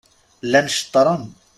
Llan ceṭṛen.